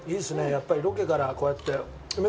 やっぱりロケからこうやって。